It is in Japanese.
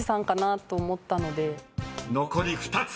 ［残り２つ。